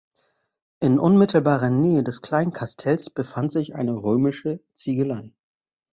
In unmittelbarer Nähe des Kleinkastells befand sich eine römische Ziegelei.